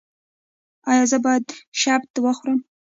ایا زه باید شبت وخورم؟